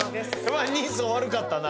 人相悪かったな。